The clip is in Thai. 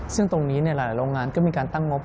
ซึ่งตรงนี้หลายโรงงานก็มีการตั้งงบ